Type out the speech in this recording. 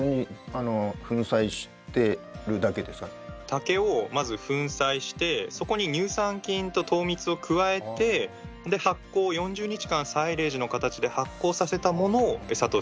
竹をまず粉砕してそこに乳酸菌と糖蜜を加えてで発酵４０日間サイレージの形で発酵させたものをエサとして。